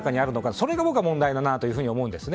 それが僕は問題だなと思います。